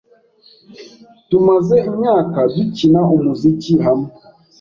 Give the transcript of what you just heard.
Tumaze imyaka dukina umuziki hamwe.